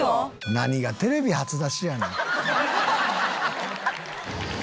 何が「テレビ初出し」やねん。